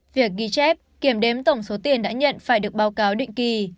việc ghi chép kiểm đếm tổng số tiền đã nhận phải được báo cáo định kỳ